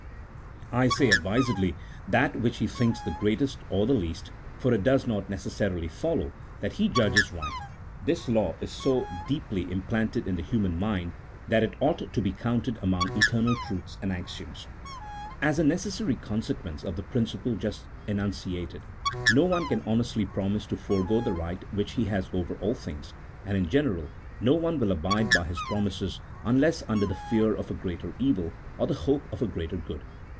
I say advisedly that which he thinks the greatest or the least, for it does not necessarily follow that he judges right. This law is so deeply implanted in the human mind that it ought to be counted among eternal truths and axioms. As a necessary consequence of the principle just enun ciated, no one can honestly promise to forego the right which he has over all things, 1 and in general no one will abide by his promises, unless under the fear of a greater evil, or the hope of a greater good.